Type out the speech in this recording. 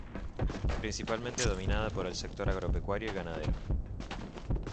Principalmente dominada por el sector agropecuario y ganadero.